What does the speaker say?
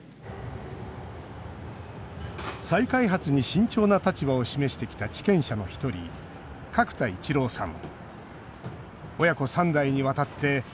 再開発に慎重な立場を示してきた地権者の一人、角田一郎さん。